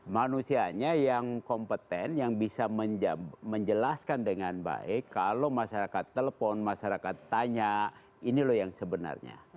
manusianya yang kompeten yang bisa menjelaskan dengan baik kalau masyarakat telepon masyarakat tanya ini loh yang sebenarnya